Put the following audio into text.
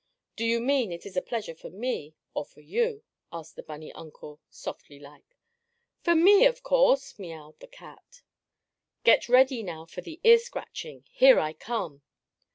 "Do you mean it is a pleasure for me, or for you?" asked the bunny uncle, softly like. "For me, of course!" meaouwed the cat. "Get ready now for the ear scratching! Here I come!"